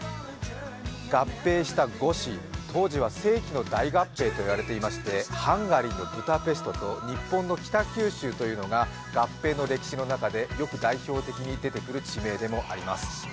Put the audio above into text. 合併した５市、当時は世紀の大合併といわれていましてハンガリーのブタペストと日本の北九州市が合併の歴史の中で、よく代表的に出てくる地名でもあります。